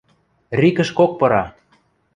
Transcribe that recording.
РИК-ӹшкок пыра!..